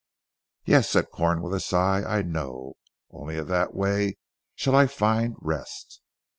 "Yes," said Corn with a sigh, "I know. Only in that way shall I find rest."